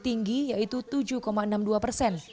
tinggi yaitu tujuh enam puluh dua persen